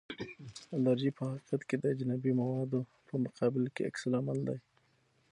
الرژي په حقیقت کې د اجنبي موادو په مقابل کې عکس العمل دی.